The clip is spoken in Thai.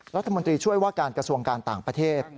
รัฐมนตรีช่วยว่าการกระทรวงการต่างประเทศ